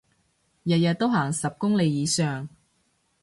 日日都行十公里以上